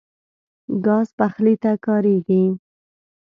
ګاز پخلي ته کارېږي.